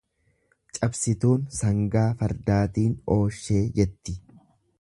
Cabsituun sangaa fardaatiin ooshee jetti.